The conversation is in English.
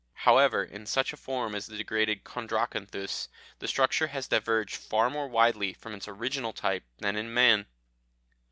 However, in such a form as the degraded 'Chondracanthus,' the structure has diverged far more widely from its original type than in man.